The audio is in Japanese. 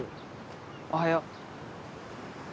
おはよう。